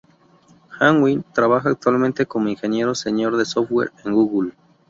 Han-Wen trabaja actualmente como ingeniero Senior de software en Google.